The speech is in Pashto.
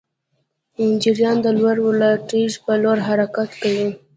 جریان د لوړ ولتاژ پر لور حرکت کوي.